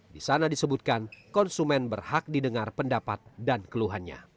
di sana disebutkan konsumen berhak didengar pendapat dan keluhannya